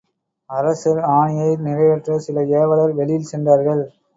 அரசர் ஆணையை நிறைவேற்றச் சில ஏவலர் வெளியில் சென்றார்கள்.